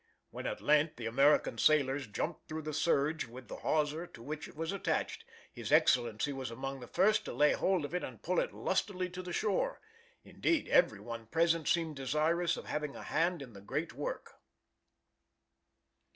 When at length the American sailors jumped through the surge with the hawser to which it was attached, his Excellency was among the first to lay hold of it and pull it lustily to the shore. Indeed, every one present seemed desirous of having a hand in the great work."